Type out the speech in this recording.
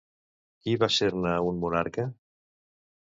Qui va ser-ne un monarca?